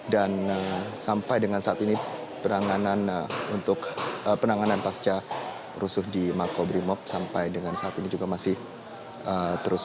dan sampai dengan saat ini penanganan untuk penanganan pasca rusuh di makodrimob sampai dengan saat ini juga masih terus